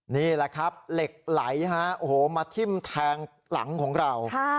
นี่แหละครับเหล็กไหลมาทิ้มแทงหลังของเรา